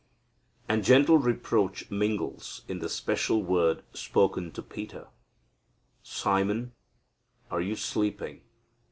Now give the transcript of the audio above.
And gentle reproach mingles in the special word spoken to Peter. "Simon, are you sleeping?